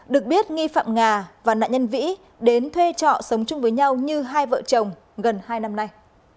được biết nghi phạm ngà và nạn nhân vĩ đến thuê trọ sống chung với nhau như hai vợ chồng gần hai năm nay